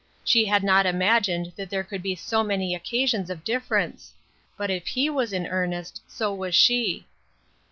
She had not imagined that there could be so many occasions of difference. But if he was in earnest, so was she.